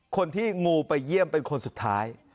คนที่งูไปเยี่ยมเป็นคนสุดท้าย